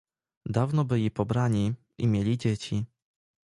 Dawno byli pobrani i mieli dzieci.